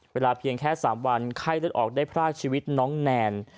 เพียงแค่๓วันไข้เลือดออกได้พรากชีวิตน้องแนน